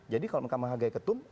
jadi kalau mereka menghargai ketum